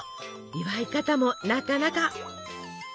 祝い方もなかなか！